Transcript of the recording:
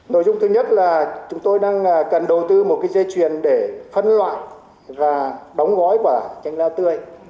nội dung thứ nhất là chúng tôi đang cần đầu tư một cái dây chuyền để phân loại và đóng gói quả chanh leo tươi